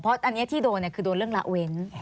เพราะอันนี้ที่โดนคือโดนเรื่องละเว้น